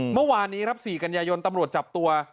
เมื่อวานนี้ครับ๔กันยายนตำรวจจับตัว